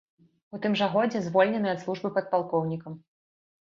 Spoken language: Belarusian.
У тым жа годзе звольнены ад службы падпалкоўнікам.